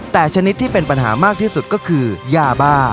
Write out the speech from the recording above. แต่ชนิดที่เป็นปัญหามากที่สุดก็คือยาบ้า